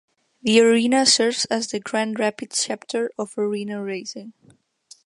The arena serves as the Grand Rapids chapter of Arena Racing.